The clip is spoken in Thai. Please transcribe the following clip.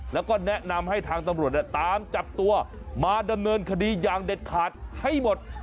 แล้วก็แนะนำให้ทางตำรวจตามจับตัวมาดำเนินคดีอย่างเด็ดขาดให้หมด